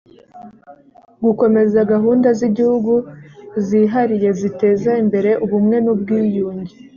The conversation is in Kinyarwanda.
gukomeza gahunda z’igihugu zihariye ziteza imbere ubumwe n’ubwiyunge